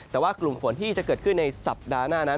แต่ว่ากลุ่มฝนที่จะเกิดขึ้นในสัปดาห์หน้านั้น